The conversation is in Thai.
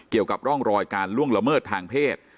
เกี่ยวกับร่องรอยการล่วงละเมิดทางเพศ